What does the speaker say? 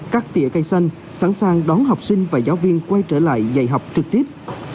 cắt tỉa cây xanh sẵn sàng đón học sinh và giáo viên quay trở lại dạy học trực tiếp